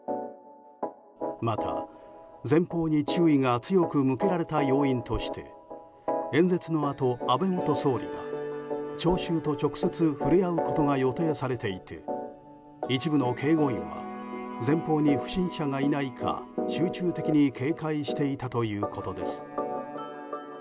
また前方に注意が強く向けられた要因として演説のあと、安倍元総理が聴衆と直接、触れ合うことが予定されていて一部の警護員は前方に不審者がいないか集中的に警戒していたということです。